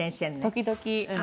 時々。